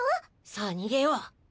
さあにげよう。